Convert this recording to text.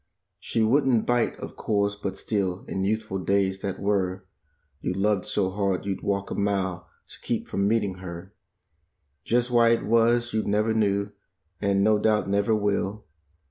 She wouldn't bite, of course, but still in youthful days that were You loved so hard you'd walk a mile to keep from meeting her. Just why it was you never knew, and no doubt never will.